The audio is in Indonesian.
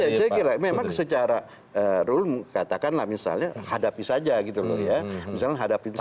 ya saya kira memang secara rule katakanlah misalnya hadapi saja gitu loh ya misalnya hadapi itu saja